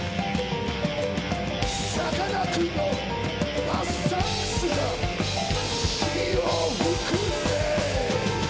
さかなクンのバスサックスが火を噴くぜ！